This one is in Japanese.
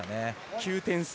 ９点差。